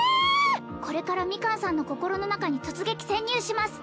これからミカンさんの心の中に突撃潜入します